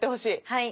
はい。